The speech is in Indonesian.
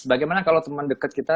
bagaimana kalo temen deket kita